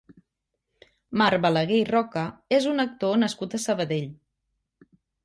Marc Balaguer i Roca és un actor nascut a Sabadell.